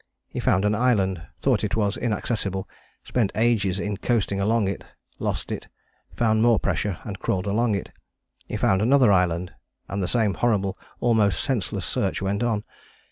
He found an island, thought it was Inaccessible, spent ages in coasting along it, lost it, found more pressure, and crawled along it. He found another island, and the same horrible, almost senseless, search went on.